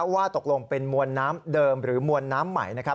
ว่าตกลงเป็นมวลน้ำเดิมหรือมวลน้ำใหม่